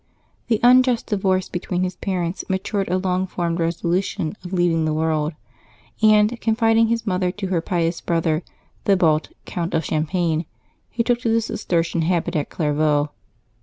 The unjust divorce between his parents matured a long formed resolution of leaving the world; and, confiding his mother to her pious brother, Thibault, Count of Champagne, he took the Cistercian habit at Clairvaux.